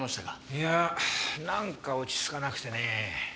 いやなんか落ち着かなくてね。